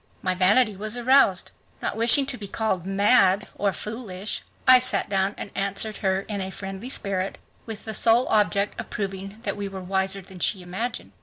My vanity was aroused. Not wishing to be called "mad" or "foolish" I sat down and answered her in a friendly spirit, with the sole object of proving that we were wiser than she imagined.